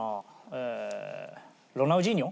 えーロナウジーニョ？